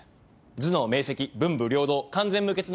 頭脳明晰文武両道完全無欠の敏腕刑事。